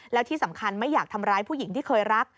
แล้วที่สำคัญไม่อยากทำร้ายผู้หญิงที่เคยรัก